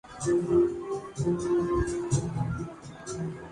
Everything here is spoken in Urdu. درخت پھل سے لدا ہوا تھا